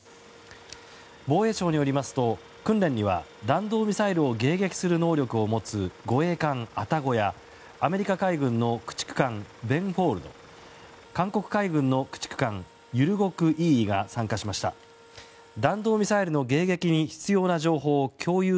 防衛省によりますと訓練には弾道ミサイルを迎撃する能力を持つ護衛艦「あたご」やアメリカ海軍の駆逐艦「ベンフォールド」韓国海軍のあまたあるレモンサワー迷えるわたしがたどり着いたのは・・・